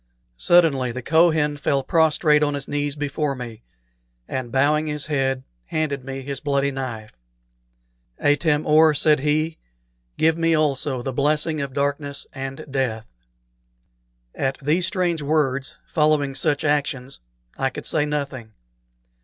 Suddenly the Kohen fell prostrate on his knees before me, and bowing his head handed me his bloody knife. "Atam or," said he, "give me also the blessing of darkness and death!" At these strange words, following such actions, I could say nothing.